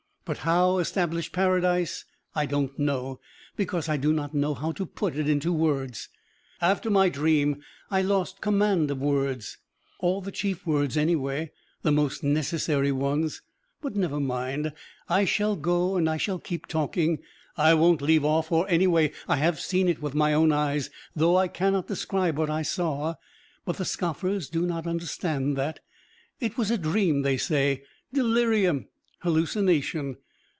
But how establish paradise I don't know, because I do not know how to put it into words. After my dream I lost command of words. All the chief words, anyway, the most necessary ones. But never mind, I shall go and I shall keep talking, I won't leave off, for anyway I have seen it with my own eyes, though I cannot describe what I saw. But the scoffers do not understand that. It was a dream, they say, delirium, hallucination.